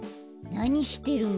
なにしてるの？